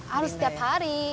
harus setiap hari